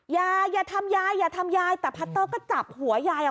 อย่าอย่าทำยายอย่าทำยายแต่พัตเตอร์ก็จับหัวยายอ่ะ